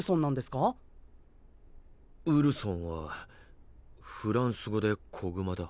ウルソンはフランス語で「小熊」だ。